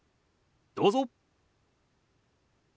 どうぞ。